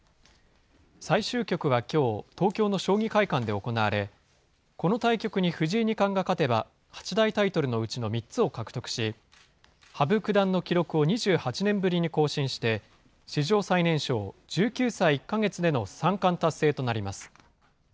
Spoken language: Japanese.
最終局はきょう、東京の将棋会館で行われ、この対局に藤井二冠が勝てば、八大タイトルのうちの３つを獲得し、羽生九段の記録を２８年ぶりに更新して、史上最年少、１９歳１か月での三冠達成となります。